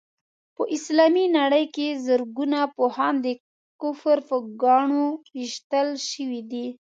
په اسلامي نړۍ کې زرګونه پوهان د کفر په ګاڼو ويشتل شوي دي.